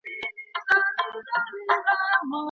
خوښي شریکول خوښي زیاتوي.